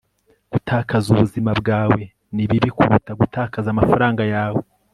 gutakaza ubuzima bwawe ni bibi kuruta gutakaza amafaranga yawe